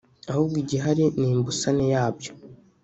ahubwo igihari ni imbusane yabyo